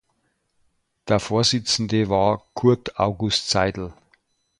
Der Vorsitzende war "Curt August Seydel".